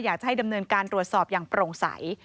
อยากจะให้ดำเนินการตรวจสอบอย่างโปร่งใส